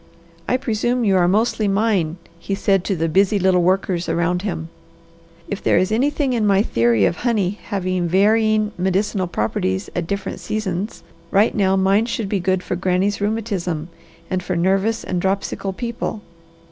"I presume you are mostly mine," he said to the busy little workers around him. "If there is anything in my theory of honey having varying medicinal properties at different seasons, right now mine should be good for Granny's rheumatism and for nervous and dropsical people.